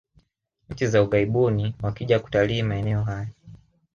nchi za ughaibuni wakija kutalii maeneo haya